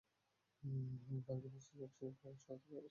বাঙ্গি মস্তিষ্কে অক্সিজেন প্রবাহে সহায়তা করে শরীরের অবসাদ ভাব দূর করে।